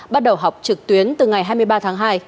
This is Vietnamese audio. bắt đầu học trực tuyến từ ngày hai mươi ba tháng hai